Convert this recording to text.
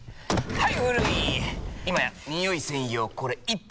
はい！